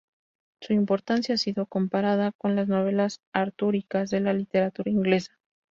Su importancia ha sido comparada con las novelas artúricas de la literatura inglesa.